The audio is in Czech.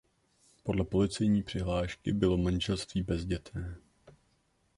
Podle policejní přihlášky bylo manželství bezdětné.